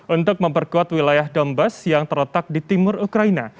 untuk memperkuat wilayah dombes yang terletak di timur ukraina